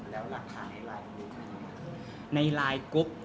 แล้วรักษาในลายกลุ๊ปอะไรบ้าง